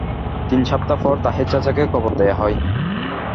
তিন সপ্তাহ পর, তাহের চাচাকে কবর দেয়া হয়।